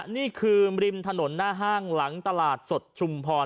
นี่คือริมถนนหน้าห้างหลังตลาดสดชุมพร